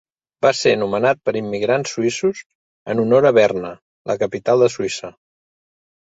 Va ser nomenat per immigrants suïssos en honor a Berna, la capital de Suïssa.